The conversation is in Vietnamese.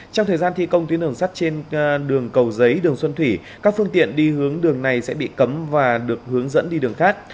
trong thời gian thi công tuyến đường sắt trên đường cầu giấy đường xuân thủy các phương tiện đi hướng đường này sẽ bị cấm và được hướng dẫn đi đường khác